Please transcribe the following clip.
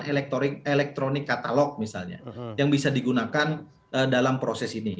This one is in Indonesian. elektronik katalog misalnya yang bisa digunakan dalam proses ini